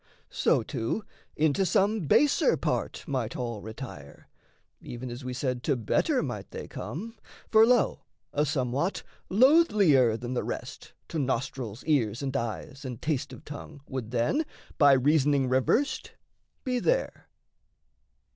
So, too, Into some baser part might all retire, Even as we said to better might they come: For, lo, a somewhat, loathlier than the rest To nostrils, ears, and eyes, and taste of tongue, Would then, by reasoning reversed, be there.